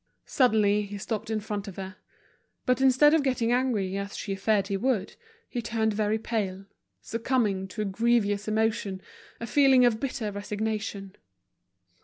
Suddenly he stopped in front of her. But instead of getting angry as she feared he would, he turned very pale, succumbing to a grievous emotion, a feeling of bitter resignation.